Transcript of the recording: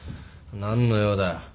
何の用だ。